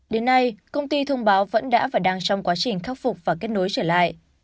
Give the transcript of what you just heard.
đến nay công ty thông báo vẫn đã và đang trong quá trình khắc phục và kết nối trở lại